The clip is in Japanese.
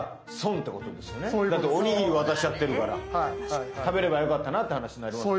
だっておにぎり渡しちゃってるから食べればよかったなって話になりますよね。